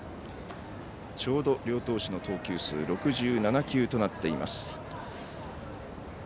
ちょうど両投手の投球数６７球となっています。